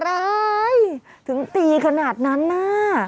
อะไรถึงตีขนาดนั้นน่ะ